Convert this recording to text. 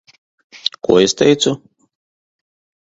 Ko es teicu?